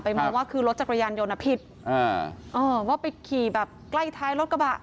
มองว่าคือรถจักรยานยนต์อ่ะผิดอ่าเออว่าไปขี่แบบใกล้ท้ายรถกระบะ